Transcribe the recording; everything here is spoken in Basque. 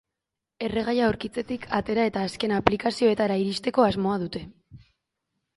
Erregaia aurkitzetik, atera eta azken aplikazioetara iristeko asmoa dute.